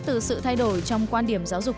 từ sự thay đổi trong quan điểm giáo dục